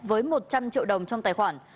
với một trăm linh triệu đồng trong tài khoản